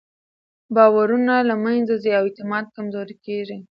باورونه له منځه ځي او اعتماد کمزوری کېږي.